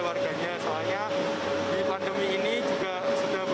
bagaimana menurut anda